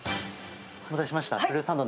お待たせしました。